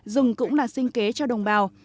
rừng cũng là sinh kế cho đồng bào